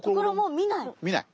見ない。